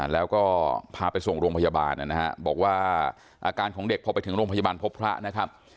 แล้วก็พาไปส่งโรงพยาบาลนะฮะบอกว่าอาการของเด็กพอไปถึงโรงพยาบาลพบพระนะครับ